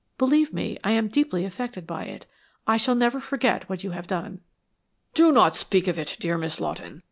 Believe me, I am deeply affected by it. I shall never forget what you have done." "Do not speak of it, dear Miss Lawton.